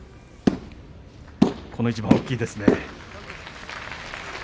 この一番大きいですね。